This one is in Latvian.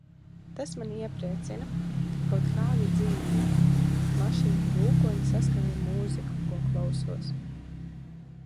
Tas mani iepriecina. Kaut kāda dzīvība. Mašīnu rūkoņa saskan ar mūziku, ko klausos.